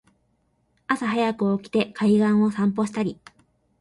朝はやく起きて海岸を散歩したり